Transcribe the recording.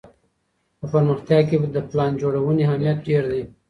په پرمختيا کي د پلان جوړوني اهميت ډېر دی.